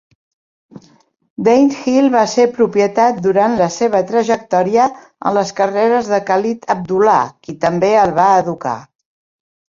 Danehill va ser propietat durant la seva trajectòria en les carreres de Khalid Abdullah, qui també el va educar.